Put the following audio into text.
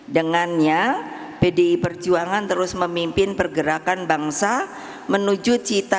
dengannya pdi perjuangan terus memimpin pergerakan bangsa menuju cita